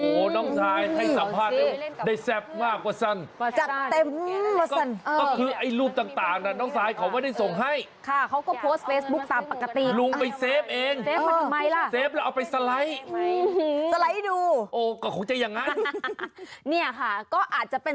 โอ้โหน้องชายให้สัมภาษณ์ได้แซ่บมากกว่าฉัน